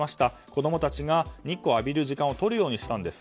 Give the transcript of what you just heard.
子供たちが日光を浴びる時間を取るようにしたんです。